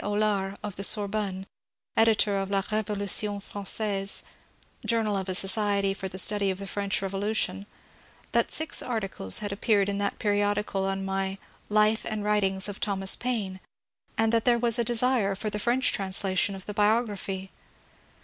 Aulard of the Sorbonne, editor of ^^ La K^volution Fran ^aise," journal of a society for the study of the French Rev olution, that six articles had appeared in that periodical on my ^^ Life and Writings of Thomas Paine," and that there was a desire for the French translation of the biography.